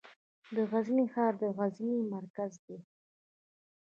د غزني ښار د غزني مرکز دی